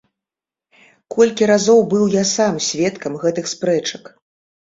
Колькі разоў быў я сам сведкам гэтых спрэчак.